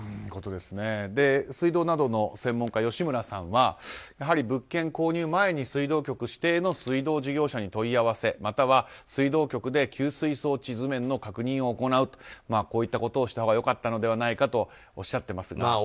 水道などの専門家の吉村さんは物件購入前に水道局指定の水道事業者に問い合わせまたは水道局で給水装置図面の確認を行うといったことをしたほうが良かったのではないかとおっしゃってますが。